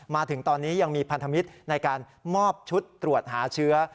มาถึงตอนนี้ยังมีพันธมิตรในการมอบชุดตรวจหาเชื้อ